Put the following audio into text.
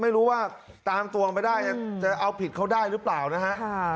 ไม่รู้ว่าตามตัวไม่ได้จะเอาผิดเขาได้หรือเปล่านะฮะ